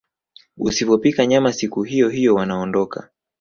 Usipopika nyama siku hiyohiyo wanaondoka